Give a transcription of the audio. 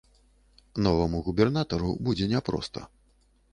Новаму губернатару будзе няпроста.